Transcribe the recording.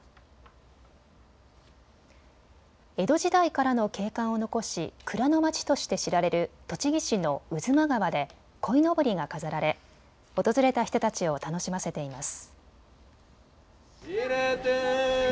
江戸時代からの景観を残し蔵の街として知られる栃木市の巴波川でこいのぼりが飾られ訪れた人たちを楽しませています。